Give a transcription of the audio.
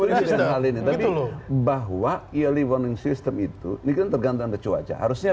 jalan tapi saya sudah mengalami ini bahwa ioli warning system itu tergantung pada cuaca harusnya